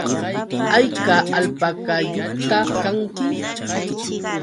¿Hayka alpakayuqta kanki?